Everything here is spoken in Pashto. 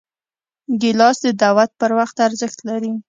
ګیلاس د دعوت پر وخت ارزښت لري.